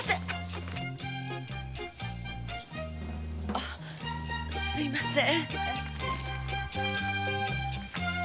あっすみません。